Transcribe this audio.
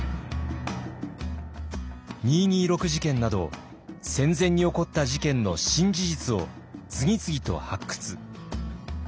二・二六事件など戦前に起こった事件の新事実を次々と発掘。